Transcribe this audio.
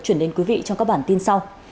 chuyển đến quý vị trong các bản tin sau